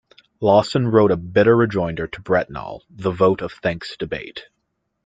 Lawson wrote a bitter rejoinder to Brentnall, "The Vote of Thanks Debate".